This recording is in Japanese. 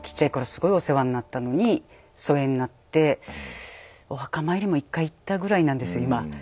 すごいお世話になったのに疎遠になってお墓参りも一回行ったぐらいなんですよ今。